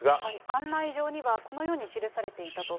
案内状にはこのように記されていたと。